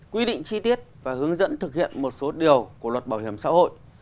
quy định chi tiết và hướng dẫn thực hiện một số điều của luật bảo hiểm xã hội